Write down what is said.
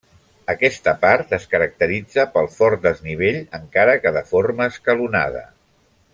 Aquesta part es caracteritza pel fort desnivell encara que de forma escalonada.